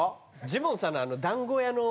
ジモンさんのあの。